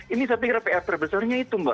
ini saya pikir pr terbesarnya itu mbak